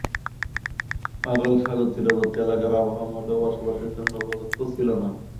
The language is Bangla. আরাল সাগর তীরবর্তী এলাকার আবহাওয়া মোটেও বসবাসের জন্য উপযুক্ত ছিল না।